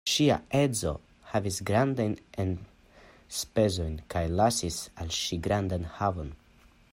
Ŝia edzo havis grandajn enspezojn kaj lasis al ŝi grandan havon.